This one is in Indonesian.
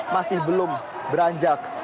masih belum beranjak